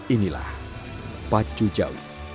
inilah pacu jawi